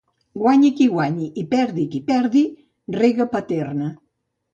Guanyi qui guanyi i perdi qui perdi, rega Paterna.